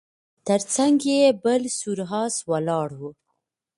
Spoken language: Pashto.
تر څنګ یې بل سور آس ولاړ و